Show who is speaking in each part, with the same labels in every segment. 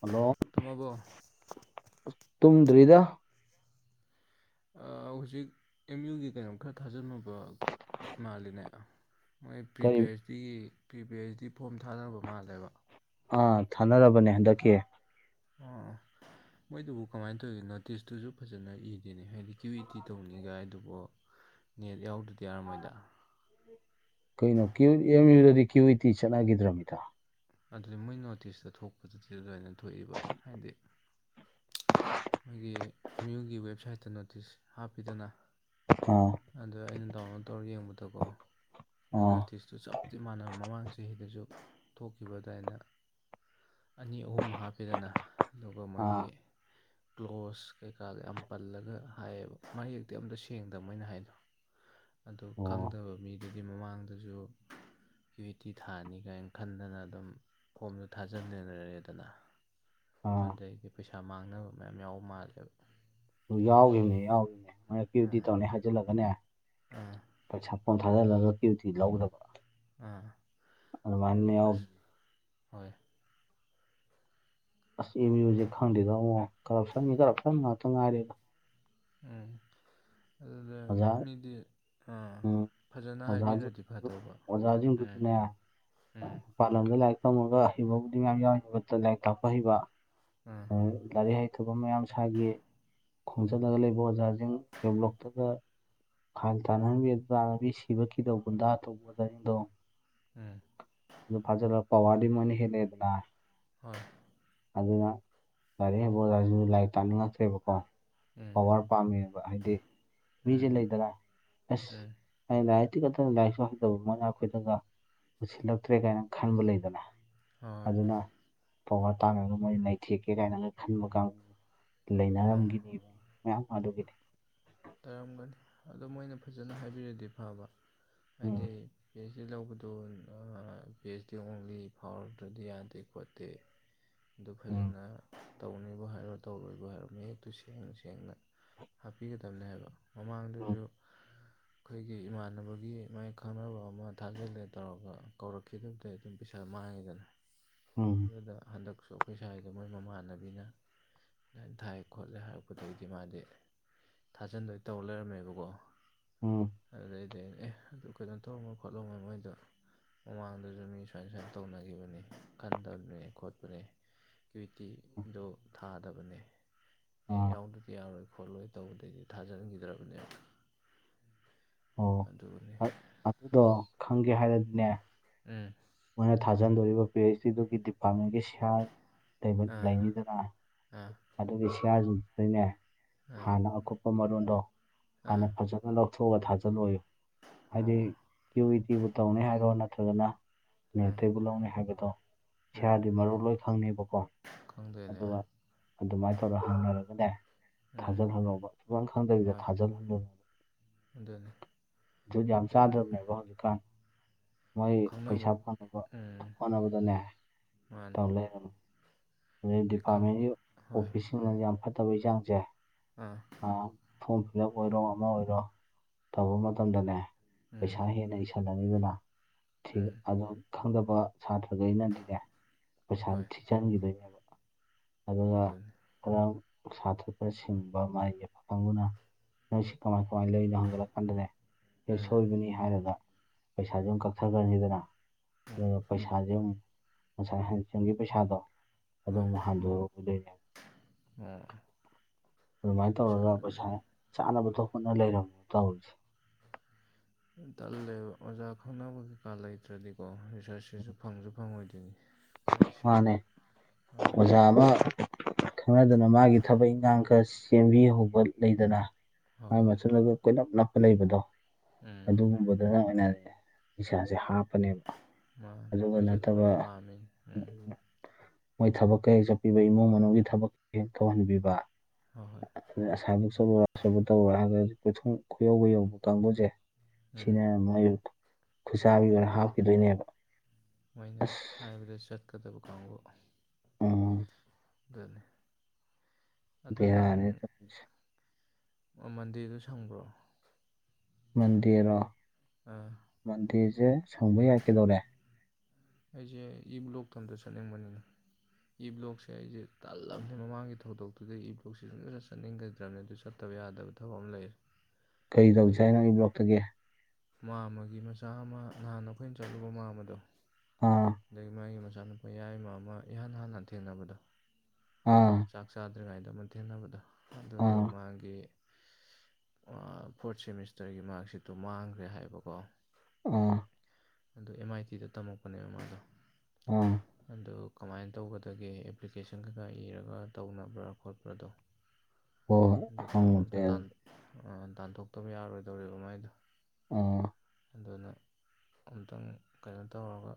Speaker 1: Hello
Speaker 2: ꯇꯝꯃꯕꯣ
Speaker 1: ꯇꯨꯝꯗ꯭ꯔꯤꯗ
Speaker 2: ꯍꯧꯖꯤꯛ ꯑꯦꯝ ꯌꯨꯒꯤ ꯀꯩꯅꯣꯝ ꯈꯔ ꯊꯥꯖꯅꯕ ꯃꯥꯜꯂꯤꯅꯦ ꯃꯣꯏ ꯄ꯭ꯔꯤꯄꯦ
Speaker 1: ꯀꯔꯤ
Speaker 2: ꯑꯩꯆ ꯗꯤꯒꯤ ꯄ꯭ꯔꯤꯄꯦ ꯑꯩꯆ ꯗꯤ ꯐꯣꯝ ꯊꯥꯅꯕ ꯃꯥꯜꯂꯦꯕ
Speaker 1: ꯑꯥ ꯊꯥꯅꯔꯕꯅꯦ ꯍꯟꯗꯛꯀꯤ
Speaker 2: ꯑꯥ ꯃꯣꯏꯗꯨꯕꯨ ꯀꯃꯥꯏꯅ ꯇꯧꯔꯤꯒꯦ ꯅꯣꯇꯤꯁꯇꯨꯖꯨ ꯐꯖꯅ ꯏꯗꯦꯅꯦ ꯍꯥꯏꯗꯤ ꯀ꯭ꯌꯨ ꯏꯇꯤ ꯇꯧꯅꯤꯒꯥꯏ ꯑꯗꯨꯕꯨ ꯅꯦꯠ ꯌꯥꯎꯗꯔꯗꯤ ꯌꯥꯔꯝꯃꯣꯏꯗ
Speaker 1: ꯀꯩꯅꯣ ꯀ꯭ꯋꯨ ꯑꯦꯝ ꯌꯨꯗꯗꯤ ꯀ꯭ꯌꯨ ꯏꯇꯤ ꯆꯠꯅꯈꯤꯗ꯭ꯔꯃꯤꯗꯥ
Speaker 2: ꯑꯗꯨꯗꯤ ꯃꯣꯏ ꯅꯣꯇꯤꯁꯇ ꯊꯣꯛꯄꯗꯨꯗꯤ ꯑꯗꯨꯃꯥꯏꯅ ꯊꯣꯛꯏꯕ ꯍꯥꯏꯗꯤ ꯃꯣꯏꯒꯤ ꯑꯦꯝꯌꯨꯒꯤ ꯋꯦꯕꯁꯥꯏꯠꯇ ꯅꯣꯇꯤꯁ ꯍꯥꯞꯄꯤꯗꯅ
Speaker 1: ꯑꯥ
Speaker 2: ꯑꯗ ꯑꯩꯅ ꯗꯥꯎꯟꯂꯣꯗ ꯇꯧꯔꯒ ꯌꯦꯡꯕꯗꯀꯣ ꯃꯣꯏ
Speaker 1: ꯑꯥ
Speaker 2: ꯅꯣꯇꯤꯁ ꯆ ꯆꯞꯇꯤ ꯃꯥꯟꯅꯕ ꯃꯃꯥꯡ ꯆꯍꯤꯗꯖꯨ [unintelligible] ꯑꯅꯤ ꯑꯍꯨꯝ ꯍꯥꯞꯄꯤꯗꯅ ꯑꯗꯨꯒ
Speaker 1: ꯑꯥ
Speaker 2: ꯃꯣꯏꯒꯤ ꯀ꯭ꯂꯣꯁ ꯀꯩꯀꯥꯒ ꯌꯥꯝ ꯄꯜꯂꯒ ꯍꯥꯏꯌꯦꯕ ꯃꯥꯌꯦꯛꯇꯤ ꯑꯝꯇ ꯁꯦꯡꯗꯕ ꯃꯣꯏꯅ ꯍꯥꯏꯗꯣ ꯑꯗꯨ
Speaker 1: ꯑꯣ
Speaker 2: ꯈꯪꯗꯕ ꯃꯤ ꯑꯗꯨꯗꯤ ꯃꯃꯥꯡꯗꯁꯨ ꯀ꯭ꯌꯇꯤ ꯊꯥꯅꯤ ꯀꯥꯏꯅ ꯈꯟꯗꯅ ꯑꯗꯨꯝ ꯐꯣꯝꯁꯨ ꯊꯥꯖꯟꯃꯤꯅꯔꯦꯗꯅ
Speaker 1: ꯑꯥ
Speaker 2: ꯑꯗꯩꯗꯤ ꯄꯩꯁꯥ ꯃꯥꯡꯅꯕ ꯃꯌꯥꯝ ꯌꯥꯎꯕ ꯃꯥꯜꯂꯦꯕ
Speaker 1: ꯑꯗꯨ ꯌꯥꯎꯈꯤꯕꯅꯦ ꯌꯥꯎꯈꯤꯕꯅꯦ ꯃꯔꯛꯀꯤꯤꯕꯨꯗꯤ
Speaker 2: ꯑꯥ
Speaker 1: ꯇꯧꯅꯤ ꯍꯥꯏꯖꯤꯜꯂꯒꯅꯦ
Speaker 2: ꯑꯥ
Speaker 1: ꯄꯩꯁꯥ ꯄꯣꯝꯊꯥꯗꯜꯂꯂꯛꯀꯤꯕꯨꯗꯤ ꯂꯧꯗꯕ
Speaker 2: ꯑꯥ ꯑꯗꯨ
Speaker 1: ꯑꯗꯨꯃꯥꯏꯅ ꯌꯥꯎ
Speaker 2: ꯑꯁ ꯍꯣꯏ
Speaker 1: ꯑꯁ ꯑꯦꯝꯌꯨ ꯖꯦ ꯈꯪꯗꯦꯗ ꯑꯉꯣ ꯀꯔꯞꯁꯟꯒꯤ ꯀꯔꯞꯁꯟ ꯉꯥꯛꯇ ꯉꯥꯏꯔꯦꯗ
Speaker 2: ꯎꯝ ꯑꯗꯨꯗ
Speaker 1: ꯑꯣꯖꯥ
Speaker 2: ꯃꯤꯗꯤ ꯑꯥ
Speaker 1: ꯎꯝ
Speaker 2: ꯐꯖꯅ
Speaker 1: ꯑꯣꯖꯥꯁꯤꯡ
Speaker 2: ꯍꯥꯏꯕꯤꯔꯗꯤ ꯐꯗꯧꯕ ꯎꯝ ꯎꯝ
Speaker 1: ꯄꯥ ꯂꯝꯗ ꯂꯥꯏꯔꯤꯛ ꯇꯝꯃꯒ ꯍꯩꯕꯕꯨꯗꯤ ꯃꯌꯥꯝ ꯌꯥꯎꯏ ꯂꯥꯏꯔꯤꯛ ꯇꯥꯛꯄ ꯍꯩꯕ
Speaker 2: ꯑꯥ
Speaker 1: ꯂꯥꯔꯤꯛ ꯂꯥꯏꯔꯤꯛ ꯍꯩꯇꯕ ꯃꯌꯥꯝ ꯁꯥꯏꯒꯤ ꯈꯣꯡꯖꯜꯂꯒ ꯂꯩꯕ ꯑꯣꯖꯥꯖꯤꯡ ꯌꯥꯎꯕꯗꯣ ꯀꯗꯥꯏ ꯈꯥꯏꯟ ꯇꯥꯅꯍꯟꯕꯤ ꯑꯗꯨ ꯇꯥꯅꯕꯤ ꯁꯤꯕ ꯀꯤꯗꯧ ꯒꯨꯟꯗꯥ ꯇꯧꯕ ꯇꯥꯔꯤꯗꯣ
Speaker 2: ꯑꯥ
Speaker 1: ꯑꯗꯨ ꯐꯖꯜꯂ ꯄꯋꯥꯔꯗꯤ ꯃꯣꯏꯅꯥ ꯍꯦꯂꯦꯗꯅ
Speaker 2: ꯍꯣꯏ
Speaker 1: ꯑꯗꯨꯅ ꯂꯥꯔꯤꯛ ꯍꯩꯕ ꯑꯣꯖꯥꯁꯨ ꯂꯥꯏꯔꯤꯛ ꯇꯥꯛꯅꯤꯡꯉꯛꯇ꯭ꯔꯦꯕꯀꯣ
Speaker 2: ꯎꯝ
Speaker 1: ꯄꯋꯥꯔ ꯄꯥꯝꯃꯦꯕ ꯍꯥꯏꯗꯤ ꯃꯤꯖꯦ
Speaker 2: ꯎꯝ
Speaker 1: ꯂꯩꯗꯅ ꯑꯁ
Speaker 2: ꯎꯝ
Speaker 1: ꯑꯩꯅ ꯂꯥꯏꯔꯤꯛꯇꯤ ꯈꯛꯇ ꯂꯥꯏꯔꯤꯛꯁꯨ ꯍꯩꯇꯕ ꯃꯣꯏꯅ ꯑꯩꯈꯣꯏꯗꯒ ꯄꯨꯁꯤꯜꯂꯛꯇ꯭ꯔꯦ ꯀꯥꯏꯅ ꯈꯟꯕ ꯂꯩꯗꯅ
Speaker 2: ꯍꯣꯏ
Speaker 1: ꯑꯗꯨꯅ ꯄꯋꯥꯔ ꯇꯥꯡꯉꯒ ꯃꯣꯏ ꯅꯩꯊꯦꯛꯀꯦ ꯀꯥꯏꯅꯒ ꯈꯟꯕ ꯀꯥꯡꯕꯨ
Speaker 2: ꯑꯣ
Speaker 1: ꯂꯩꯅꯔꯝꯒꯤꯅꯤꯕ ꯃꯌꯥꯝ ꯑꯗꯨꯒꯤꯗꯤ
Speaker 2: ꯇꯥꯔꯝꯒꯅꯤ ꯑꯗꯣ ꯃꯣꯏꯅ ꯐꯖꯅ ꯍꯥꯏꯕꯤꯔꯗꯤ ꯐꯕ
Speaker 1: ꯎꯝ
Speaker 2: ꯍꯥꯏꯗꯤ ꯄꯤ ꯑꯩꯆ ꯗꯤ ꯂꯧꯕꯗꯨ ꯑ ꯄꯤ ꯑꯩꯆ ꯗꯤ ꯑꯣꯡꯂꯤ ꯐꯥꯎꯔꯛꯇ꯭ꯔꯗꯤ ꯌꯥꯗꯦ ꯈꯣꯠꯇꯦ ꯑꯗꯨ
Speaker 1: ꯎꯝ
Speaker 2: ꯐꯖꯅ ꯇꯧꯅꯤꯕꯨ ꯍꯥꯏꯔꯣ ꯇꯧꯔꯣꯏꯕꯨ ꯍꯥꯏꯔꯣ ꯃꯌꯦꯛꯇꯨ ꯁꯦꯡꯅ ꯁꯦꯡꯅ ꯍꯥꯞꯄꯤꯒꯗꯕꯅꯦ ꯍꯥꯏꯕ
Speaker 1: ꯎꯝ
Speaker 2: ꯃꯃꯥꯡꯗꯖꯨ ꯑꯩꯈꯣꯏꯒꯤ ꯏꯃꯥꯟꯅꯕꯒꯤ ꯃꯥꯏ ꯈꯪꯅꯕ ꯑꯃ ꯊꯥꯖꯤꯜꯂꯦ ꯇꯧꯔꯒ ꯀꯧꯔꯛꯈꯤꯗꯨꯗꯤ ꯑꯗꯨꯝ ꯄꯩꯁꯥ ꯃꯥꯡꯉꯤꯗꯅ
Speaker 1: ꯎꯝ
Speaker 2: ꯑꯗꯨꯗ ꯍꯟꯗꯛꯁꯨ ꯑꯩꯈꯣꯏ ꯁ꯭ꯥꯏꯒ ꯃꯣꯏ ꯃꯃꯥꯟꯅꯕꯤꯅ ꯑꯗꯥꯏꯅ ꯊꯥꯏ ꯈꯣꯠꯂꯦ ꯍꯥꯏꯔꯛꯄꯗꯒꯤ ꯃꯥꯗꯤ ꯊꯥꯖꯟꯗꯣꯏ ꯇꯧꯔ ꯂꯩꯔꯝꯃꯦꯕꯀꯣ
Speaker 1: ꯎꯝ
Speaker 2: ꯑꯗꯨꯗꯩꯗꯤ ꯑꯩꯅ ꯑꯦ ꯑꯗꯨ ꯀꯩꯅꯣ ꯇꯣꯡꯉ ꯈꯣꯠꯂꯣ ꯃꯣꯏ ꯃꯣꯏꯗꯣ ꯃꯃꯥꯡꯗꯁꯨ ꯃꯤ ꯁꯨꯃꯥꯏ ꯁꯨꯃꯥꯏ ꯇꯧꯅꯒꯤꯕꯅꯤ ꯈꯟꯗꯝꯅꯦ ꯈꯣꯠꯄꯅꯦ ꯀ꯭ꯋꯨꯏꯇꯤ
Speaker 1: ꯎꯝ
Speaker 2: ꯗꯣ ꯊꯥꯗꯕꯅꯦ ꯑꯦ
Speaker 1: ꯑꯥ
Speaker 2: ꯌꯥꯎꯗꯗꯤ ꯌꯥꯔꯣꯏ ꯈꯣꯠꯂꯣꯏ ꯇꯧꯕꯗꯩꯗꯤ ꯊꯥꯖꯤꯟꯈꯤꯗ꯭ꯔꯕꯅꯦ
Speaker 1: ꯑꯣ ꯑꯗꯣ ꯈꯪꯒꯦ ꯍꯥꯏꯔꯗꯤꯅꯦ
Speaker 2: ꯎꯝ
Speaker 1: ꯃꯣꯏꯅ ꯊꯥꯖꯟꯗꯣꯔꯤꯕ ꯄꯤ ꯑꯩꯆ ꯗꯤꯗꯨꯒꯤ ꯗꯤꯄꯥꯔꯠꯃꯦꯟꯒꯤ ꯁꯤꯌꯥꯔ
Speaker 2: ꯑꯥ
Speaker 1: ꯂꯩꯅꯤꯗꯅ
Speaker 2: ꯑꯥ
Speaker 1: ꯑꯗꯨꯒꯤ ꯁꯤꯌꯥꯁꯤꯡꯗꯨꯗꯩꯅꯦ
Speaker 2: ꯑꯥ
Speaker 1: ꯍꯥꯟꯅ ꯑꯀꯨꯞꯄ ꯃꯔꯣꯟꯗꯣ
Speaker 2: ꯑꯥ
Speaker 1: ꯍꯥꯟꯅ ꯐꯖ ꯂꯧꯊꯣꯛꯑꯒ ꯊꯥꯖꯤꯜꯂꯣꯏꯨ ꯍꯥꯏꯗꯤ
Speaker 2: ꯑꯣ
Speaker 1: ꯀ꯭ꯌꯨ ꯏ ꯇꯤꯕꯨ ꯇꯧꯅꯤ ꯍꯥꯏꯔꯣ ꯅꯠꯇ꯭ꯔꯒꯅ
Speaker 2: ꯎꯝ
Speaker 1: ꯅꯇꯕꯨ [unintelligible] ꯍꯥꯏꯕꯗꯣ
Speaker 2: ꯎꯝ
Speaker 1: ꯁꯤꯌꯥꯔꯗꯤ ꯃꯔꯨ ꯂꯣꯏ ꯈꯪꯅꯤꯕꯀꯣ
Speaker 2: ꯈꯪꯗꯣꯏꯅꯦ
Speaker 1: ꯑꯗꯨꯒ ꯑꯗꯨꯃꯥꯏꯅ ꯇꯧꯔꯒ ꯍꯪꯅꯔꯒꯅꯦ
Speaker 2: ꯎꯝ
Speaker 1: ꯊꯥꯖꯤꯜꯍꯜꯍꯧꯕ ꯁꯨꯈꯪ ꯈꯪꯗꯕꯤꯗ ꯊꯥꯖꯤꯜꯍꯟꯗꯣꯏ
Speaker 2: ꯑꯗꯨꯅꯦ [unintelligible]
Speaker 1: ꯃꯥꯡꯒꯤꯇꯥꯝ ꯃꯣꯏ ꯄꯩꯁꯥ ꯐꯪꯅꯕ
Speaker 2: ꯎꯝ
Speaker 1: ꯍꯣꯠꯅꯕꯗꯅꯦ
Speaker 2: ꯃꯥꯅꯤ
Speaker 1: ꯇꯧ ꯂꯩ ꯍꯥꯏꯕ ꯑꯗꯩ ꯗꯤꯄꯥꯔꯠꯃꯦꯟꯒꯤ
Speaker 2: ꯍꯣꯏ
Speaker 1: ꯑꯣꯐꯤꯁꯁꯤꯡꯅ ꯌꯥꯝ ꯐꯠꯇꯕꯩ ꯆꯥꯡꯁꯦ
Speaker 2: ꯑꯥ
Speaker 1: ꯑ ꯐꯣꯝ ꯏꯅꯥꯎꯞ ꯑꯣꯏꯔꯣ ꯑꯃ ꯑꯣꯏꯔꯣ ꯇꯧꯕ ꯃꯇꯝꯗꯅꯦ
Speaker 2: ꯎꯝ
Speaker 1: ꯄꯩꯁꯥ ꯍꯦꯟꯅ ꯏꯁꯜ ꯁꯜꯂꯅꯤꯗꯅ ꯊꯤ
Speaker 2: ꯎꯝ
Speaker 1: ꯑꯗꯨ ꯈꯪꯗꯕ ꯁꯥꯇ꯭ꯔꯒꯩꯅꯗꯤꯅꯦ ꯄꯩꯁꯥꯗꯤ
Speaker 2: ꯍꯣꯏ
Speaker 1: ꯊꯤꯆꯟꯈꯤꯗꯣꯏꯅꯦꯕ ꯑꯗꯨꯒ
Speaker 2: ꯑꯗꯨꯅꯤ
Speaker 1: ꯈꯔ ꯁꯥꯇꯔ ꯈꯔ ꯁꯤꯡꯕ ꯃꯥꯒꯤ ꯐꯥꯡꯕꯨꯅ ꯅꯪ ꯁꯤ ꯀꯃꯥꯏ ꯀꯃꯥꯏꯅ ꯂꯩꯔꯤꯅꯣ ꯍꯪꯒꯠꯂꯛꯀꯥꯟꯗꯅꯦ ꯑꯦ
Speaker 2: ꯎꯝ
Speaker 1: ꯁꯣꯏꯕꯅꯤ ꯍꯥꯏꯔꯒ ꯄꯩꯁꯥꯁꯦ ꯑꯗꯨꯝ ꯀꯛꯊꯈ꯭ꯔꯅꯤꯗꯅ
Speaker 2: ꯎꯝ
Speaker 1: ꯑꯗꯨꯒ ꯄꯩꯁꯥꯁꯦ ꯑꯃꯝ ꯉꯁꯥꯏ ꯍꯟꯁꯦꯝꯒꯤ ꯄꯩꯁꯥꯗꯣ
Speaker 2: ꯍꯣꯏ
Speaker 1: ꯑꯗꯨꯝ ꯍꯥꯟꯗ ꯑꯗꯨ
Speaker 2: ꯑꯣ
Speaker 1: ꯑꯗꯨꯃꯥꯏꯅ
Speaker 2: ꯁ
Speaker 1: ꯇꯧꯔꯒ
Speaker 2: ꯑꯗꯨꯅꯤ
Speaker 1: ꯄꯩꯁꯥ ꯆꯥꯅꯕ ꯊꯣꯛ [unintelligible] ꯂꯩꯔꯝꯃꯣ ꯇꯧꯔꯤꯁꯦ
Speaker 2: ꯇꯜꯂꯦ ꯑꯣꯖꯥ ꯈꯕꯨ ꯀꯩꯀꯥ ꯂꯩꯇ꯭ꯔꯗꯤꯀꯣ [unintelligible] ꯐꯪꯁꯨ ꯐꯪꯉꯣꯏꯗꯣꯏꯅꯤ ꯃꯣꯏꯁꯦ
Speaker 1: ꯃꯥꯅꯦ ꯑꯣꯖꯥ
Speaker 2: ꯑꯗꯨꯅ
Speaker 1: ꯑꯃ ꯈꯪꯅꯗꯅ ꯃꯥꯒꯤ ꯊꯕꯛ ꯏꯟꯈꯥꯡ ꯈꯔ ꯁꯦꯝꯕꯤꯍꯧꯕ ꯂꯩꯗꯅ
Speaker 2: ꯍꯣꯏ
Speaker 1: ꯃꯥꯏ
Speaker 2: ꯍꯣꯏ
Speaker 1: ꯃꯆꯜꯂꯒ ꯀꯣꯏꯂꯞ ꯅꯞꯄ ꯂꯩꯕꯗꯣ
Speaker 2: ꯎꯝ
Speaker 1: ꯑꯗꯨ ꯗꯨꯅ ꯑꯣꯏꯅꯗꯤ ꯏꯁꯥꯁꯦ ꯍꯥꯞ
Speaker 2: ꯃꯥ ꯃꯣꯏꯁꯨ ꯑꯗꯨꯝ ꯄꯥꯝꯃꯤ ꯎꯝ
Speaker 1: ꯃꯣꯏ ꯊꯕꯛ ꯀꯍꯦꯛ ꯆꯠꯄꯤꯕ ꯏꯃꯨꯡ ꯃꯅꯨꯡꯒꯤ ꯊꯕꯛ ꯍꯦꯛ ꯇꯧꯍꯟꯕꯤꯕ
Speaker 2: ꯍꯣꯏ ꯍꯣꯏ
Speaker 1: ꯑ ꯑꯁꯥꯕ ꯆꯠꯂꯨꯔ ꯑꯁꯣꯏꯕ [unintelligible] ꯀꯣꯏꯊꯨꯡ ꯈꯨꯌꯧꯕ ꯌꯧꯕ ꯀꯥꯡꯕꯨꯁꯦ ꯁꯤꯅ
Speaker 2: ꯎꯝ
Speaker 1: ꯃꯣꯏ ꯈꯨꯁꯥꯕꯤ
Speaker 2: ꯍꯣꯏ
Speaker 1: ꯑꯣꯏꯅ ꯍꯥꯞꯈꯤꯗꯣꯏꯅꯦꯕ
Speaker 2: ꯃꯣꯏꯅ
Speaker 1: ꯑꯁ
Speaker 2: ꯍꯥꯏꯕꯗ ꯆꯠꯀꯗꯕ ꯀꯥꯡꯕꯨ
Speaker 1: ꯎꯝ
Speaker 2: ꯒꯅꯤ ꯑꯗꯣ ꯅꯪ
Speaker 1: ꯕꯦꯔꯥꯅꯤ ꯇꯧꯔꯤꯁꯦ
Speaker 2: ꯑꯣ ꯃꯟꯗꯦꯗꯨ ꯁꯪꯕ꯭ꯔꯣ
Speaker 1: ꯃꯟꯗꯦꯔꯣ
Speaker 2: ꯑꯥ
Speaker 1: ꯃꯟꯗꯦꯁꯦ ꯁꯪꯕ ꯌꯥꯏ ꯀꯩꯗꯧꯔꯦ
Speaker 2: ꯑꯩꯁꯦ ꯏ ꯕ꯭ꯂꯣꯛꯇꯝꯇ ꯆꯠꯅꯤꯡꯕꯅꯤꯅ ꯏ ꯕ꯭ꯂꯣꯛꯁꯦ ꯑꯩꯁꯦ ꯇꯜꯂꯕꯅꯦ ꯃꯃꯥꯡꯒꯤ ꯊꯧꯗꯣꯛꯇꯨꯗ ꯏ ꯕ꯭ꯂꯣꯛꯁ ꯂꯣꯏꯖꯠ ꯆꯠꯅꯤꯡꯒꯗ꯭ꯔꯕꯅꯦ ꯑꯗꯨ ꯆꯠ ꯐꯠꯇꯕ ꯌꯥꯗꯕ ꯊꯕꯛ ꯑꯃ ꯂꯩ
Speaker 1: ꯀꯔꯤ ꯇꯧꯁꯦ ꯍꯥꯏꯅꯣ ꯏ ꯕ꯭ꯂꯣꯛꯇꯒꯤ
Speaker 2: ꯃꯥꯃꯒꯤ ꯃꯆꯥ ꯑꯃ ꯅꯍꯥꯟꯅ ꯑꯩꯈꯣꯏꯅ ꯆꯠꯂꯨꯕ ꯃꯥ ꯑꯃꯗꯣ
Speaker 1: ꯑꯥ
Speaker 2: ꯑꯗꯒꯤ ꯃꯥꯒꯤ ꯃꯆꯥꯅꯨꯄꯥ ꯌꯥꯏꯃ ꯑꯃ ꯏꯍꯥꯟ ꯍꯥꯟꯅ ꯊꯦꯡꯅꯕꯗ
Speaker 1: ꯑꯥ
Speaker 2: ꯆꯥꯛ ꯆꯥꯗ꯭ꯔꯤꯉꯩꯗ ꯑꯃꯛ ꯊꯦꯡꯅꯕꯗ ꯑꯗꯨꯗꯣ
Speaker 1: ꯑꯥ
Speaker 2: ꯃꯥꯒꯤ ꯐꯣꯔꯠ ꯁꯦꯃꯤꯁꯇꯔꯒꯤ ꯃꯥꯔꯛꯁꯤꯠꯇꯣ ꯃꯥꯡꯈ꯭ꯔꯦ ꯍꯥꯏꯕꯀꯣ
Speaker 1: ꯑꯣ
Speaker 2: ꯑꯗ ꯑꯦꯝ ꯑꯥꯏ ꯇꯤꯗ ꯇꯝꯃꯛꯄꯅꯦꯕ ꯃꯥꯗꯣ
Speaker 1: ꯑꯣ
Speaker 2: ꯑꯗꯨ ꯀꯃꯥꯏꯅ ꯇꯧꯒꯗꯒꯦ ꯑꯦꯄ꯭ꯂꯤꯀꯦꯁꯟ ꯀꯩꯀ ꯏꯔꯒ ꯇꯧꯅꯕ꯭ꯔꯥ ꯈꯣꯠꯄ꯭ꯔꯥꯗꯣ
Speaker 1: ꯍꯣꯏ
Speaker 2: ꯑꯗꯨ ꯇꯧꯔꯒ
Speaker 1: ꯍꯪꯉꯨꯁꯦ
Speaker 2: ꯑꯝꯇ ꯇꯥꯟ
Speaker 1: ꯑꯗꯨꯗꯤ
Speaker 2: ꯑ ꯇꯥꯟꯊꯣꯛꯇꯕ ꯌꯥꯔꯣꯏꯗꯧꯔꯤꯕ ꯃꯥꯏꯗꯣ
Speaker 1: ꯑ
Speaker 2: ꯑꯗꯨꯅ ꯑꯝꯇꯪ ꯀꯩꯅꯣ ꯇꯧꯔꯒ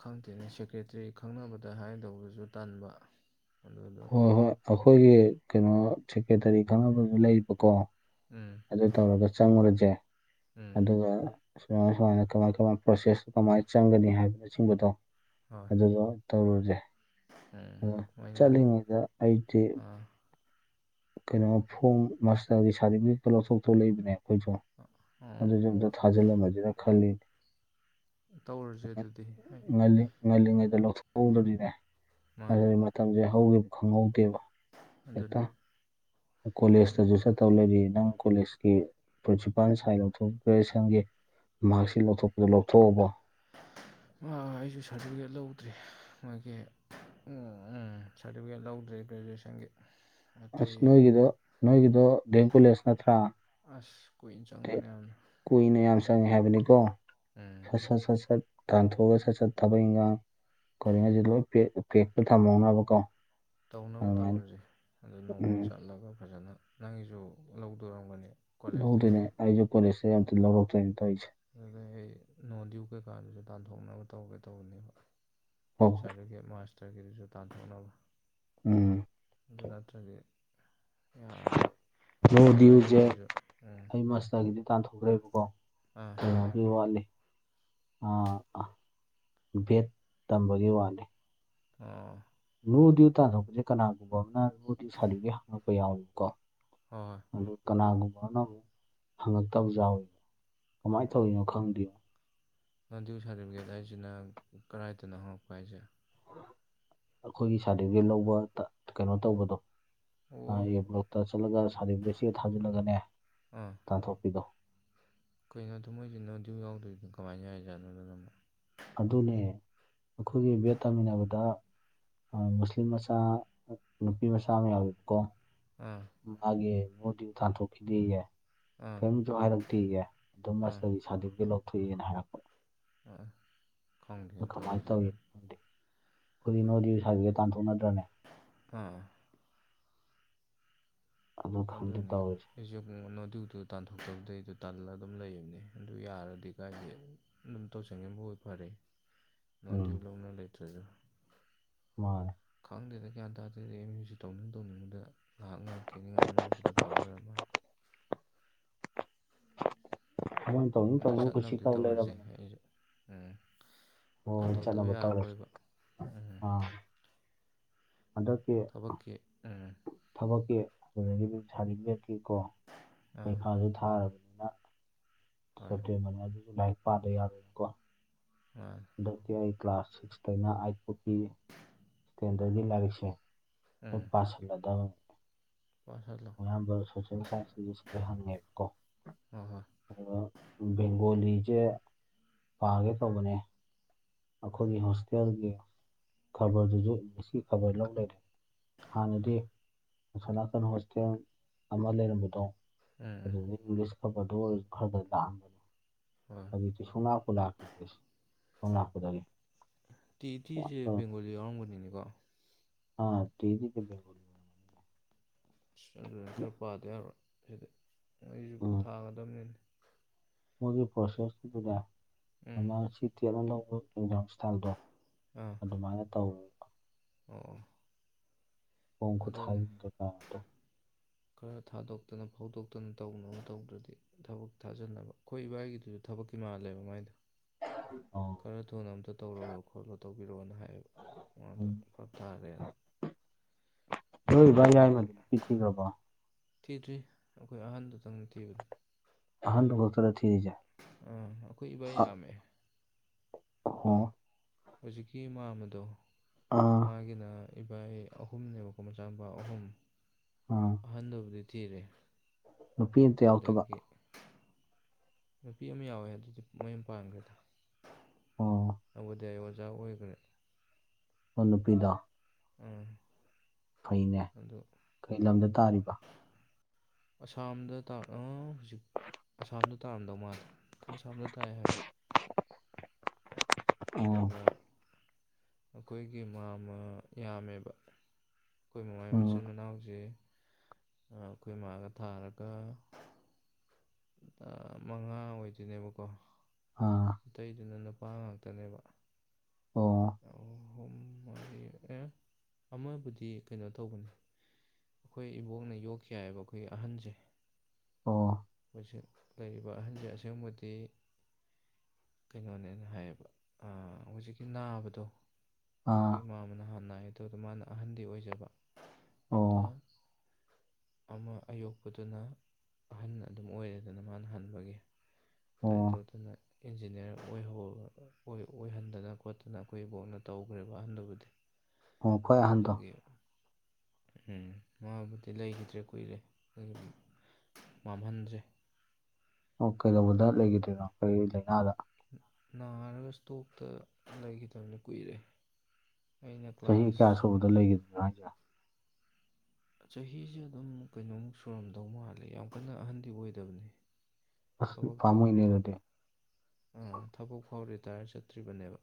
Speaker 2: ꯈꯪꯗꯦꯅꯦ ꯁꯦꯀ꯭ꯔꯦꯇ꯭ꯔꯤ ꯈꯪꯅꯕꯗ ꯍꯥꯏꯗꯧꯕꯗꯁꯨ ꯇꯟꯕ ꯑꯗꯨꯗꯣ
Speaker 1: ꯍꯣꯏ ꯍꯣꯏ ꯑꯩꯈꯣꯏꯒꯤ ꯀꯩꯅꯣ ꯁꯦꯀ꯭ꯔꯦꯇꯔꯤ ꯈꯪꯅꯕꯗꯨ ꯂꯩꯕꯀꯣ
Speaker 2: ꯎꯝ
Speaker 1: ꯑꯗꯨ ꯇꯧꯔꯒ ꯆꯪꯉꯨꯔꯁꯦ
Speaker 2: ꯎꯝ
Speaker 1: ꯑꯗꯨꯒ ꯁꯨꯃꯥꯏꯅ ꯁꯨꯃꯥꯏꯅ ꯀꯃꯥꯏ ꯀꯃꯥꯏꯅ ꯄ꯭ꯔꯣꯁꯦꯁꯇ ꯀꯃꯥꯏꯅ ꯆꯪꯒꯅꯤ ꯍꯥꯏꯕꯅ ꯆꯤꯡꯕꯗꯣ
Speaker 2: ꯍꯣꯏ
Speaker 1: ꯑꯗꯨꯗ ꯇꯧꯔꯨꯁꯦ
Speaker 2: ꯎꯝ ꯃꯣꯏꯅ
Speaker 1: ꯆꯂꯤꯉꯗ ꯑꯩꯗꯤ
Speaker 2: ꯑꯥ
Speaker 1: ꯀꯩꯅꯣ ꯐꫭꯝ ꯃꯁꯇꯒꯤ ꯁꯥꯔꯇꯤꯐꯤꯀ ꯂꯧꯊꯣꯛꯇ ꯂꯩꯕꯅꯦ ꯑꯩꯈꯣꯏꯁꯨ
Speaker 2: ꯑꯣ
Speaker 1: ꯑꯗꯨꯁꯨ ꯑꯝ ꯊꯥꯖꯤꯜꯂꯝꯃꯁꯤꯔꯥ ꯈꯜꯂꯤꯅꯤ
Speaker 2: ꯇꯧꯔꯁꯦ ꯑꯗꯨꯗꯤ ꯍꯥꯏ
Speaker 1: ꯉꯜꯂꯤ ꯉꯜꯂꯤꯉꯩꯗ ꯂꯧꯊꯣꯛꯍꯧꯗꯔꯤꯅꯦ ꯑꯗꯨ
Speaker 2: ꯃꯥꯅꯤ
Speaker 1: ꯃꯇꯝꯁꯦ ꯍꯧꯈꯤꯕ ꯈꯪꯍꯧꯗꯦꯕ ꯍꯦꯛꯇ
Speaker 2: ꯑꯗꯨꯅꯤ
Speaker 1: ꯀꯣꯂꯦꯖꯇꯁꯨ ꯆꯠꯇꯧ ꯂꯩꯔꯤ ꯅꯪ ꯀꯣꯂꯦꯖꯀꯤ ꯄ꯭ꯔꯤꯟꯁꯤꯄꯥꯜ ꯁꯥꯏꯟ ꯂꯧꯊꯣꯛꯄꯒꯤ ꯃꯥꯛꯁꯤꯠ ꯂꯧꯊꯣꯛꯄꯗꯣ ꯂꯧꯊꯣꯛꯑꯕꯣ
Speaker 2: ꯑ ꯑꯩꯁꯨ ꯁꯥꯔꯇꯤꯐꯤꯀꯦꯠ ꯂꯧꯗ꯭ꯔꯤ ꯃꯣꯏꯒꯤ ꯑ ꯁꯥꯔꯇꯤꯐꯤꯀꯦꯠ ꯂꯧꯗ꯭ꯔꯤ ꯒ꯭ꯔꯦꯖꯨꯑꯦꯁꯟꯒꯤ
Speaker 1: ꯑꯁ ꯅꯣꯏꯒꯤꯗꯣ ꯅꯣꯏꯒꯤꯗꯣ ꯗꯦꯝ ꯀꯣꯂꯦꯖ ꯅꯠꯇ꯭ꯔ
Speaker 2: ꯑꯁ ꯀꯨꯏꯅ ꯆꯪꯕꯅꯦ ꯌꯥꯝꯅ
Speaker 1: ꯀꯨꯏꯅ ꯌꯥꯝ ꯆꯪꯉꯦ ꯍꯥꯏꯕꯅꯤꯀꯣ
Speaker 2: ꯎꯝ
Speaker 1: ꯁꯠ ꯁꯠ ꯁꯠ ꯁꯠ ꯇꯥꯟꯊꯣꯛꯑꯒ ꯁꯠ ꯁꯠ ꯊꯕꯛ ꯏꯟꯈꯥꯡ ꯀꯔꯤꯉꯩꯁꯤ ꯂꯣꯏ ꯄꯦꯛꯇ ꯊꯝꯍꯧꯅꯕ ꯀꯣ
Speaker 2: ꯇꯧꯅꯕ ꯇꯧꯔꯁꯦ ꯑ ꯅꯣꯡꯃ
Speaker 1: ꯎꯝ
Speaker 2: ꯆꯠꯂꯒ ꯐꯖꯅ ꯅꯪꯒꯤꯁꯨ ꯂꯧꯗꯣꯏ ꯑꯣꯏꯔꯝꯒꯅꯦ
Speaker 1: ꯂꯧꯗꯨꯏꯅꯦ ꯑꯩꯒꯤ ꯀꯣꯂꯦꯖꯇꯩ ꯌꯥꯝ ꯊꯨꯅ ꯂꯧꯔꯛ ꯇꯣꯏꯅ ꯇꯧꯏꯁꯦ
Speaker 2: ꯑꯗꯨꯗꯩ ꯑꯩ ꯅꯣꯡ ꯗ꯭ꯌꯨ ꯀꯩꯀꯥꯗꯨꯁꯨ ꯇꯥꯟꯊꯣꯛꯅꯕ ꯇꯧꯒꯦ ꯇꯧꯕꯅꯦꯕ
Speaker 1: ꯍꯣꯏ ꯍꯣꯏ
Speaker 2: ꯁꯥꯔꯇꯤꯐꯀꯦꯠ ꯃꯥꯥꯁꯇꯔꯒꯤꯁꯨ ꯇꯥꯥꯟꯊꯣꯛꯅꯕ
Speaker 1: ꯎꯝ
Speaker 2: ꯑꯗꯨ ꯅꯠꯇ꯭ꯔꯗꯤ ꯌꯥꯔꯣꯏ ꯈꯣꯏ ꯏꯕꯥꯏꯒꯤꯗꯨꯁꯨ ꯎꯝ
Speaker 1: ꯃꯁꯇꯔꯒꯤꯗꯤ ꯇꯥꯟꯊꯣꯛꯈ꯭ꯔꯦꯕꯀꯣ
Speaker 2: ꯑꯥ
Speaker 1: ꯀꯩꯅꯣꯒꯤ ꯋꯥꯠꯂꯤ ꯑ ꯕꯦꯠ ꯇꯝꯕꯒꯤ ꯋꯥꯠꯂꯤ
Speaker 2: ꯑꯥ
Speaker 1: ꯅꯣ ꯗꯤꯌꯨ ꯇꯥꯟꯊꯣꯛꯄꯁꯦ ꯀꯅꯥꯒꯨꯝꯕ ꯑꯃꯅ ꯅꯣ ꯗꯤꯌꯨ ꯁꯥꯔꯇꯤꯐꯤꯀꯦꯠ ꯍꯡꯉꯛꯄ ꯌꯥꯎꯋꯦꯕꯀꯣ
Speaker 2: ꯍꯣꯏ
Speaker 1: ꯑꯗꯨ ꯀꯅꯥꯒꯨꯝꯕꯅ ꯃꯨꯛ ꯍꯪꯉꯛꯇꯕꯁꯨ ꯌꯥꯎꯋꯦꯕ ꯀꯃꯥꯏꯅ
Speaker 2: ꯍꯣꯏ
Speaker 1: ꯇꯧꯔꯤꯅꯣ ꯈꯪꯗꯦꯅꯦ
Speaker 2: ꯅꯣ ꯗꯤꯌꯨ ꯁꯥꯔꯇꯤꯐꯤꯀꯦꯠ ꯍꯥꯏꯁꯤꯅ ꯀꯔꯥꯏꯗꯅꯣ ꯍꯪꯉꯛꯄ ꯍꯥꯏꯁꯦ
Speaker 1: ꯑꯩꯈꯣꯏꯒꯤ ꯁꯥꯔꯇꯤꯐꯤꯀꯦꯠ ꯂꯧꯕꯗ ꯀꯩꯅꯣ ꯇꯧꯕꯗꯣ
Speaker 2: ꯑꯣ
Speaker 1: ꯑꯦ ꯕ꯭ꯂꯣꯛꯇ ꯆꯠꯂꯒ ꯁꯥꯔꯇꯤꯐꯤꯀꯦꯠ ꯆꯦ ꯊꯥꯖꯤꯜꯂꯒꯅꯦ ꯇꯥꯟꯊꯣꯛꯄꯤꯗꯣ
Speaker 2: ꯀꯩꯅꯣꯗ ꯃꯣꯏꯁꯤ ꯅꯣ ꯗꯤꯌꯨ ꯌꯥꯎꯗꯕꯤꯗ ꯀꯃꯥꯏꯅ ꯌꯥꯔꯤꯖꯥꯠꯅꯣ ꯑꯃꯨꯛ
Speaker 1: ꯑꯗꯨꯅꯦ ꯑꯩꯈꯣꯏꯒꯤ ꯕꯦꯠ ꯇꯝꯃꯤꯟꯅꯕꯗ ꯃꯨꯁꯂꯤꯝ ꯃꯆꯥ ꯅꯨꯄꯤ ꯃꯆꯥ ꯑꯃ ꯌꯥꯎꯋꯦꯕꯀꯣ
Speaker 2: ꯑꯥ
Speaker 1: ꯃꯥꯒꯤ ꯅꯣ ꯗꯤꯌꯨ ꯇꯥꯟꯊꯣꯛꯈꯤꯗꯦꯌꯦ
Speaker 2: ꯑꯥ
Speaker 1: ꯀꯔꯤꯝꯇ ꯍꯥꯏꯔꯛꯇꯦꯌꯦ ꯑꯗꯨꯝ
Speaker 2: ꯑꯥ
Speaker 1: ꯑꯁꯤ ꯁꯥꯔꯇꯤꯐꯤꯀꯦꯠ ꯂꯧꯊꯣꯛꯑꯦꯅ ꯍꯥꯏꯔꯛ
Speaker 2: ꯑꯥ ꯈꯪꯗꯦꯅ
Speaker 1: ꯀꯃꯥꯏꯅ
Speaker 2: ꯇꯧꯔꯤꯁꯦ
Speaker 1: ꯇꯧꯔꯤꯅꯣꯗꯤ
Speaker 2: ꯑꯗꯨꯝ
Speaker 1: ꯈꯣꯏꯗꯤ ꯅꯣ ꯗꯤꯌꯨ ꯁꯥꯔꯇꯤꯐꯤꯀꯦꯠ ꯇꯥꯟꯊꯣꯛꯅꯗ꯭ꯔꯅꯦ
Speaker 2: ꯑꯥ
Speaker 1: ꯑꯗꯨ ꯈꯪꯗꯦ
Speaker 2: ꯑꯗꯨꯅꯤ
Speaker 1: ꯇꯧꯔꯤꯁꯦ
Speaker 2: ꯑꯩꯁꯨ ꯅꯣ ꯗꯤꯌꯨꯗꯣ ꯇꯥꯟꯊꯣꯛꯇꯕꯗꯩꯗꯣ ꯇꯜꯂꯒ ꯑꯗꯨꯝ ꯂꯩꯕꯅꯤ ꯑꯗꯨ ꯌꯥꯔꯗꯤ ꯀꯥꯏꯗꯒꯤ ꯑꯗꯨꯝ ꯇꯧꯁꯤꯟꯈꯤꯕꯅ ꯐꯔꯦ
Speaker 1: ꯎꯝ
Speaker 2: ꯅꯣꯏꯗꯩ ꯂꯧꯅ ꯂꯩꯇ꯭ꯔꯁꯨ
Speaker 1: ꯃꯥꯅꯦ
Speaker 2: ꯈꯪꯗꯦꯗ ꯒ꯭ꯌꯥꯟ ꯇꯥꯗꯦꯗ ꯑꯦꯝ ꯌꯨ ꯁꯤ ꯇꯧꯅꯤꯡ ꯇꯧꯅꯤꯡꯕꯗ ꯉꯥꯏꯍꯥꯛ ꯉꯥꯏꯍꯥꯛꯀꯤ ꯅꯤꯉꯛ ꯅꯤꯉꯛꯄꯗ ꯇꯧ ꯂꯩꯔꯕ ꯃꯥꯜꯂꯦ
Speaker 1: [unintelligible]
Speaker 2: ꯑꯗꯨ
Speaker 1: ꯀꯨꯁꯤ
Speaker 2: ꯆꯠꯅꯕꯗꯤ
Speaker 1: ꯇꯧ
Speaker 2: ꯇꯧꯔꯁꯦ
Speaker 1: ꯂꯩꯔꯕꯅꯦ
Speaker 2: ꯑꯩꯁꯨ ꯎꯝ
Speaker 1: ꯍꯣꯏ
Speaker 2: ꯇꯥꯟꯊꯣꯛꯇꯕ
Speaker 1: ꯆꯠꯅꯕ ꯇꯧꯔꯁꯤ
Speaker 2: ꯌꯥꯔꯔꯣꯏꯕ ꯎꯝ
Speaker 1: ꯑꯥ ꯍꯟꯗꯛꯀꯤ
Speaker 2: ꯊꯕꯛꯀꯤ ꯎꯝ
Speaker 1: ꯊꯕꯛꯀꯤ ꯁꯥꯔꯇꯤꯐꯤꯀꯦꯠꯀꯤ ꯀꯣ
Speaker 2: ꯑꯥ
Speaker 1: ꯄꯩꯈꯥꯗꯣ ꯊꯥꯔ
Speaker 2: ꯍꯣꯏ
Speaker 1: ꯁꯦꯞꯇꯦꯝꯕꯔꯅꯦ ꯑꯗꯨꯁꯨ ꯂꯥꯏꯔꯤꯛ ꯄꯥꯗ ꯌꯥꯔꯣꯏꯀꯣ
Speaker 2: ꯑ
Speaker 1: ꯍꯟꯗꯛꯇꯤ ꯑꯩ ꯀ꯭ꯂꯥꯁ ꯁꯤꯛꯁꯇꯩꯅ ꯑꯥꯏꯠ ꯄꯨꯛꯀꯤ ꯁ꯭ꯇꯦꯟꯗꯔꯒꯤ ꯂꯥꯏꯔꯤꯛꯁꯦ
Speaker 2: ꯎꯝ
Speaker 1: ꯄꯥꯥꯁꯜꯂꯗꯕꯅꯤ
Speaker 2: ꯄꯥꯁꯜꯂꯣ
Speaker 1: ꯑꯌꯥꯝꯕ ꯁꯣꯁꯦꯜ ꯁꯥꯏꯟꯁꯤꯁꯨ ꯁꯤꯗꯩ ꯍꯪꯉꯦꯕꯀꯣ
Speaker 2: ꯍꯣꯏ ꯍꯣꯏ
Speaker 1: ꯑ ꯕꯦꯡꯒꯣꯂꯤꯁꯦ ꯄꯥꯒꯦ ꯇꯧꯕꯅꯦ ꯑꯩꯈꯣꯏꯒꯤ ꯍꯣꯁꯇꯦꯜꯒꯤ ꯈꯕꯔꯗꯨꯁꯨ ꯏꯪꯂꯤꯁꯀꯤ ꯈꯕꯔ ꯂꯧ ꯂꯩꯔꯦ꯫ ꯍꯥꯟꯅꯗꯤ ꯑꯁꯣꯝ ꯅꯥꯀꯟ ꯍꯣꯁꯇꯦꯜ ꯑꯃ ꯂꯩꯔꯝꯕꯗꯣ꯫
Speaker 2: ꯎꯝ ꯎꯝ
Speaker 1: ꯑꯗꯨꯅ ꯏꯪꯂꯤꯁ ꯈꯕꯔꯗꯨ ꯑꯣꯏꯔꯁꯨ ꯈꯔꯗ
Speaker 2: ꯍꯣꯏ꯫
Speaker 1: ꯁꯨꯂꯥꯛꯄꯨ ꯂꯥꯛꯈꯤꯗꯔꯦ ꯁꯣꯝ ꯂꯥꯛꯄꯗꯗꯤ꯫
Speaker 2: ꯇꯤ ꯇꯤꯁꯦ ꯕꯦꯡꯒꯣꯂꯤ ꯌꯥꯎꯔꯝꯒꯅꯤꯅꯦꯀꯣ꯫
Speaker 1: ꯑ ꯗꯤ ꯗꯤ ꯁꯦ ꯕꯦꯡꯒꯣꯜꯂꯤꯗ꯫
Speaker 2: ꯑꯁ ꯑꯗꯨꯅ ꯈꯔ ꯄꯥꯗ ꯌꯥꯔꯣ ꯁꯤꯗꯤ ꯑꯩꯁꯨ
Speaker 1: ꯎꯝ
Speaker 2: ꯊꯥꯒꯗꯝꯅꯤꯅꯦ꯫
Speaker 1: ꯃꯣꯏꯒꯤ ꯄ꯭ꯔꯣꯁꯦꯁꯇꯨꯗꯅ
Speaker 2: ꯎꯝ
Speaker 1: ꯑꯃ ꯁꯤ ꯇꯦꯠ ꯅ ꯂꯧꯕ ꯑꯦꯛꯖꯥꯝ ꯊꯥꯕꯗꯣ
Speaker 2: ꯑꯥ ꯑꯣ
Speaker 1: ꯑꯗꯨꯃꯥꯏꯅ ꯇꯧꯑꯣ
Speaker 2: ꯑꯣ
Speaker 1: ꯍꯣꯡ ꯈꯨꯠ
Speaker 2: ꯑꯗꯨꯅꯤ
Speaker 1: [unintelligible]
Speaker 2: ꯈꯔ ꯊꯥꯗꯣꯛꯇꯅ ꯐꯥꯎꯗꯣꯛꯇꯅ ꯇꯧꯅꯕ ꯇꯧꯗ꯭ꯔꯗꯤ ꯊꯕꯛ ꯊꯥꯖꯅꯕ ꯑꯩꯈꯣꯏ ꯏꯕꯥꯏꯒꯤꯗꯨꯁꯨ ꯊꯕꯛꯀꯤ ꯃꯥꯜꯂꯦꯕ ꯃꯥꯏꯗꯣ
Speaker 1: ꯑꯧ
Speaker 2: ꯈꯔ ꯊꯨꯅ ꯑꯝꯇ ꯇꯧꯔꯛꯑꯣ ꯈꯣꯠꯂꯣ ꯇꯧꯕꯤꯔꯛꯑꯣꯅ ꯍꯥꯏꯌꯦꯕ ꯃꯥꯗꯣ
Speaker 1: ꯎꯝ
Speaker 2: ꯐꯔꯛ ꯇꯥꯔꯦꯅ
Speaker 1: ꯅꯣꯏ
Speaker 2: ꯑꯗꯨ
Speaker 1: ꯏꯕꯥꯏ
Speaker 2: ꯃꯥꯒꯤ
Speaker 1: ꯌꯥꯏꯃꯗꯨ ꯅꯨꯄꯤ ꯊꯤꯈ꯭ꯔꯕꯣ꯫
Speaker 2: ꯊꯤꯗ꯭ꯔꯤ ꯑꯩꯈꯣꯏ ꯑꯍꯟꯗꯨꯗꯪ ꯊꯤꯕꯗꯤ꯫
Speaker 1: ꯑꯍꯟꯗꯨ ꯈꯥꯛꯇꯔ ꯊꯤꯔꯤꯖꯦ꯫
Speaker 2: ꯎꯝ ꯑꯩꯈꯣꯏ ꯏꯕꯥ ꯌꯥꯝꯃꯦ꯫
Speaker 1: ꯍꯣ
Speaker 2: ꯍꯧꯖꯤꯛꯀꯤ ꯃꯥꯝꯃꯗꯣ
Speaker 1: ꯑꯥ
Speaker 2: ꯃꯥꯒꯤꯅ꯫ ꯏꯕꯥꯏ ꯑꯍꯨꯝꯅꯦꯕꯀꯣ ꯃꯆꯥ ꯃꯨꯄꯥ ꯑꯍꯨꯝ꯫
Speaker 1: ꯎꯝ
Speaker 2: ꯑꯍꯟꯗꯨꯕꯨꯗꯤ ꯊꯤꯔꯦ꯫
Speaker 1: ꯅꯨꯄꯤ ꯑꯃꯇ ꯌꯥꯎꯗꯕ꯫
Speaker 2: ꯑꯗꯒꯤ ꯅꯨꯄꯤ ꯑꯃ ꯌꯥꯎꯋꯦ ꯑꯗꯨꯗꯤ ꯃꯌꯨꯝ ꯄꯥꯟꯈ꯭ꯔꯦꯗ
Speaker 1: ꯑꯣ
Speaker 2: ꯅꯕꯣꯗꯤꯌꯥꯒꯤ ꯑꯣꯖꯥ ꯑꯣꯏꯈ꯭ꯔꯦ꯫
Speaker 1: ꯑꯣ ꯅꯨꯄꯤꯗꯣ꯫
Speaker 2: ꯎꯝ꯫
Speaker 1: ꯐꯩꯅꯦ꯫
Speaker 2: ꯑꯗꯨ
Speaker 1: ꯀꯩ ꯂꯝꯗ ꯇꯥꯔꯤꯕ꯫
Speaker 2: ꯑꯁꯥꯝꯗ ꯇꯥ ꯑꯥ ꯍꯧꯖꯤꯛ ꯑꯁꯥꯝꯗ ꯇꯥꯔꯝꯗꯧ ꯃꯥꯜꯂꯦ ꯑꯁꯥꯝꯗ ꯇꯥꯏ ꯍꯥꯏꯕꯅꯦ꯫
Speaker 1: [inaudible]
Speaker 2: ꯑꯗꯨꯒ ꯑꯩꯈꯣꯏꯒꯤ ꯃꯥꯝꯃ ꯌꯥꯝꯃꯦꯕ꯫ ꯑꯩꯈꯣꯏ ꯃꯃꯥꯏ
Speaker 1: ꯎꯝ
Speaker 2: ꯃꯆꯤꯟ ꯃꯅꯥꯎꯁꯦ ꯑꯩꯈꯣꯏ ꯃꯥꯒ ꯊꯥꯔꯒ꯫ ꯃꯉꯥ ꯑꯣꯏꯗꯣꯏꯅꯦꯕꯀꯣ꯫
Speaker 1: ꯑꯥ꯫
Speaker 2: ꯑꯇꯩꯗꯨꯅ ꯅꯨꯄꯥ ꯉꯥꯛꯇꯅꯦꯕ꯫
Speaker 1: ꯑꯣ꯫
Speaker 2: ꯑꯍꯨꯝ ꯃꯥꯔꯤ ꯑꯦ ꯑꯃꯕꯨꯗꯤ ꯀꯩꯅꯣ ꯇꯧꯕꯅꯤ꯫ ꯑꯩꯈꯣꯏ ꯏꯕꯣꯛꯅ ꯌꯣꯛꯈꯤ ꯍꯥꯏꯌꯦꯕ ꯑꯩꯈꯣꯏꯒꯤ ꯑꯍꯟꯁꯦ꯫
Speaker 1: ꯑꯣ꯫
Speaker 2: ꯑꯩꯈꯣꯏꯁꯦ ꯂꯩꯔꯤꯕ ꯑꯍꯟꯁꯦ ꯑꯁꯦꯡꯕꯗꯤ꯫ ꯀꯩꯅꯣꯅꯦꯅ ꯍꯥꯏꯌꯦꯕ ꯑꯥ ꯍꯧꯖꯤꯛꯀꯤ ꯅꯥꯕꯗꯣ꯫
Speaker 1: ꯑꯥ
Speaker 2: ꯑꯩꯈꯣꯏ ꯃꯥꯝꯃꯅ ꯍꯥꯟꯅ ꯅꯥꯏ ꯑꯗꯨꯗ ꯃꯥꯅ ꯑꯍꯟꯗꯤ ꯑꯣꯏꯖꯕ ꯑꯗꯨꯗ꯫
Speaker 1: ꯑꯣ
Speaker 2: ꯑꯃ ꯑꯌꯣꯛꯄꯗꯨꯅ ꯑꯍꯟ ꯑꯗꯨꯝ ꯑꯣꯏꯔꯦꯗꯅ ꯃꯥꯅ ꯍꯟꯕꯒꯤ꯫ ꯑꯗꯥꯏ
Speaker 1: ꯑꯣ
Speaker 2: ꯇꯧꯗꯅ꯫ ꯏꯟꯖꯤꯅꯤꯌꯥꯔ ꯑꯣꯏꯌꯧ ꯑꯣꯏꯍꯟꯗꯅ ꯈꯣꯠꯇꯅ ꯑꯩꯈꯣꯏ ꯏꯕꯣꯛꯅ ꯇꯧꯈ꯭ꯔꯦꯕ ꯑꯍꯟꯗꯨꯕꯨꯗꯤ꯫
Speaker 1: ꯑꯣ ꯈ꯭ꯋꯥꯏ ꯑꯍꯟꯗꯣ
Speaker 2: ꯑꯗꯨꯒꯤ꯫ ꯎꯝ ꯃꯥꯕꯨꯗꯤ ꯂꯩꯈꯤꯗ꯭ꯔꯦ ꯀꯨꯏꯔꯦ ꯃꯥꯝꯍꯟꯖꯦ
Speaker 1: ꯑꯣ ꯀꯩꯗꯧꯕꯗ ꯂꯩꯈꯤꯗ꯭ꯔꯤꯅꯣ ꯀꯔꯤ ꯂꯩꯅꯥꯗ
Speaker 2: ꯅꯥꯔꯒ ꯏꯁꯇꯣꯛꯇ ꯂꯩꯈꯤꯗꯕꯅꯦ ꯀꯨꯏꯔꯦ ꯑꯩꯅ
Speaker 1: ꯆꯍꯤ ꯀꯌꯥ
Speaker 2: ꯀ꯭ꯂꯥꯁ
Speaker 1: ꯁꯨꯕꯗ ꯂꯩꯒꯤꯗꯔꯤꯅꯣ ꯍꯥꯏꯖꯦ
Speaker 2: ꯆꯍꯤꯖꯦ ꯑꯗꯨꯝ ꯀꯩꯅꯣꯃꯨꯛ ꯁꯨꯔꯝꯗꯧ ꯃꯥꯜꯂꯦ ꯌꯥꯝ ꯀꯟꯅ ꯑꯍꯟꯗꯤ ꯑꯣꯏꯗꯕꯅꯦ
Speaker 1: ꯑꯁ
Speaker 2: ꯊꯕꯛꯇꯨ ꯔꯤ
Speaker 1: ꯄꯥꯝꯃꯨꯏꯅꯦ ꯑꯗꯨꯗꯤ
Speaker 2: ꯊꯕꯛ ꯐꯥꯎ ꯔꯤꯇꯥꯌꯔ ꯆꯠꯇ꯭ꯔꯤꯕꯅꯦꯕ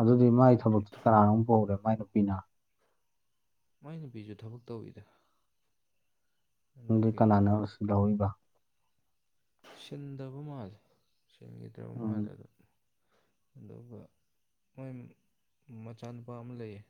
Speaker 1: ꯑꯗꯨꯗꯤ ꯃꯥꯏ
Speaker 2: ꯑꯗꯩ
Speaker 1: ꯊꯕꯛꯇꯨ ꯀꯅꯥꯅꯃꯨꯛ ꯄꯨꯍꯧꯔꯦ ꯃꯥꯏ ꯅꯨꯄꯤꯅ
Speaker 2: ꯃꯥꯏ ꯅꯨꯄꯤꯁꯨ ꯊꯕꯛ ꯇꯧꯋꯤꯗ꯫
Speaker 1: ꯅꯪꯗꯤ
Speaker 2: ꯑꯗꯨꯒꯤ
Speaker 1: ꯀꯅꯥꯅ ꯁꯤꯜꯂꯧꯔꯤꯕ꯫
Speaker 2: ꯁꯤꯟꯗꯕ ꯃꯥꯜꯂꯦ ꯁꯤꯟꯒꯤꯗ꯭ꯔꯕ
Speaker 1: ꯎꯝ
Speaker 2: ꯃꯥꯜꯂꯦ ꯑꯗꯨꯝ꯫ ꯑꯗꯨꯒ ꯃꯣꯏ ꯃꯆꯥꯅꯨꯄꯥ ꯑꯃ ꯂꯩꯌꯦ꯫